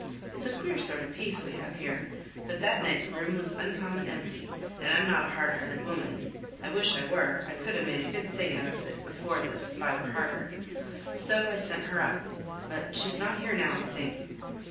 It's a queer sort of peace we have here, but that night the room was uncommon empty, and I'm not a hard hearted woman (I wish I were, I could ha' made a good thing out of it afore this if I were harder), so I sent her up, but she's not here now, I think."